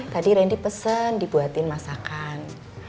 tadi randy pesen dibuatin masakan